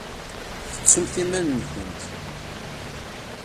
Tettumt iman-nkent.